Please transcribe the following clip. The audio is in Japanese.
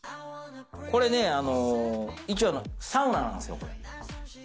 これは一応サウナなんですよ。